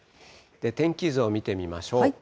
天気図を見てみましょう。